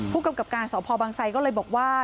ภูมิกับการณ์สอบพบางไซด์ก็เลยบอกว่า